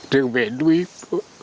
đừng về đuối bố